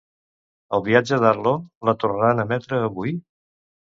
"El viatge d'Arlo", la tornaran a emetre avui?